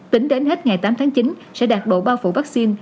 tính đến hết ngày tám tháng chín sẽ đạt độ bao phủ vaccine